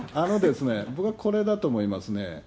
僕はこれだと思いますね。